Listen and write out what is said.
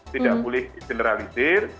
tidak boleh diseneralisir